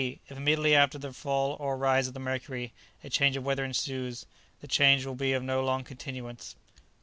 If immediately after the fall or rise of the mercury a change of weather ensues, the change will be of no long continuance.